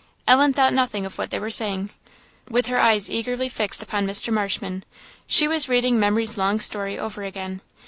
Ellen thought nothing of what they were saying; with her eyes eagerly fixed upon Mr. Marshman, she was reading memory's long story over again.